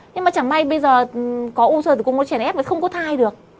nhưng mà chẳng may bây giờ có u sơ tử cung nó chèn ép thì không có thai được